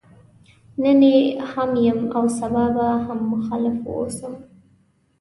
نن يې هم يم او سبا به هم مخالف واوسم.